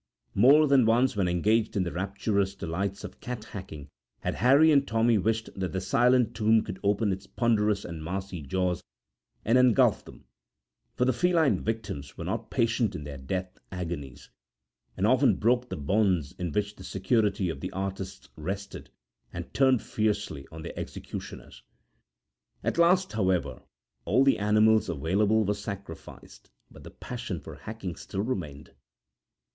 More than once when engaged in the rapturous delights of cat hacking had Harry and Tommy wished that the silent tomb could open its ponderous and massy jaws and engulf them, for the feline victims were not patient in their death agonies, and often broke the bonds in which the security of the artists rested, and turned fiercely on their executioners. At last, however, all the animals available were sacrificed; but the passion for hacking still remained.